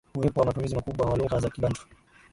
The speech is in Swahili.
Uwepo wa matumizi makubwa wa lugha za kibantu